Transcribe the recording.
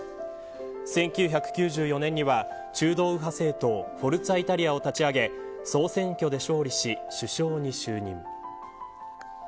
１９９４年には中道右派政党フォルツァ・イタリアを立ち上げ総選挙で勝利し首相に就任。